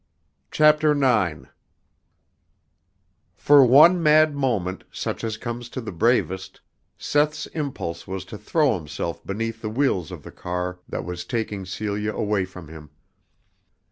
CHAPTER IX. For one mad moment, such as comes to the bravest, Seth's impulse was to throw himself beneath the wheels of the car that was taking Celia away from him.